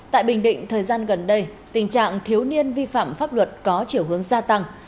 tại bình định thời gian gần đây tình trạng thiếu niên vi phạm pháp luật có chiều hướng gia tăng